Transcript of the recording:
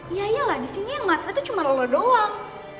iya iya lah disini yang matre itu cuma lo doang